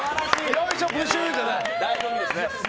よいしょ、プシューじゃない。